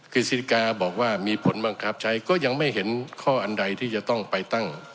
กิจศิริกาบอกว่ามีผลบังคับใช้ก็ยังไม่เห็นข้ออันใดที่จะต้องไปตั้ง